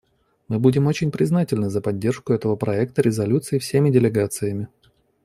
Мы будем очень признательны за поддержку этого проекта резолюции всеми делегациями.